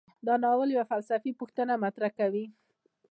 دا ناول یوه فلسفي پوښتنه مطرح کوي.